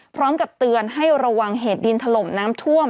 พร้อมกับเตือนให้ระวังเหตุดินถล่มน้ำท่วม